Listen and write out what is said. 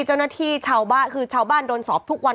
เจ้าหน้าที่ชาวบ้านคือชาวบ้านโดนสอบทุกวัน